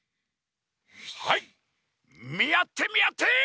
はいみあってみあって！